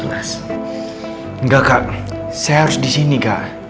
enggak kak saya harus disini kak